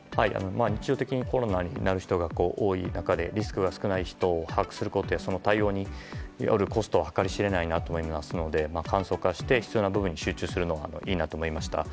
日常的にコロナになる人が多い中でリスクが少ない人を把握したりその対応によるコストは計り知れないなと思いますので簡素化して必要な部分に集中するのはいいと思いました。